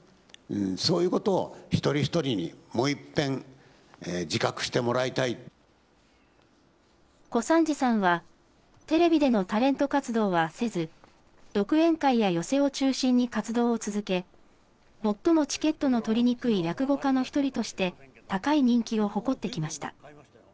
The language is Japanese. そういうことを一人一人に、もういっぺん、小三治さんは、テレビでのタレント活動はせず、独演会や寄席を中心に活動を続け、最もチケットの取りにくい落語家の一人として、高い人気を誇ってきました。